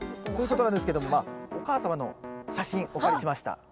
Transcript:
ということなんですけどもお母様の写真お借りしました。